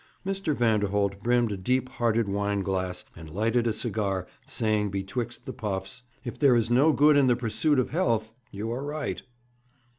Mr. Vanderholt brimmed a deep hearted wineglass, and lighted a cigar, saying betwixt the puffs: 'If there is no good in the pursuit of health, you are right.'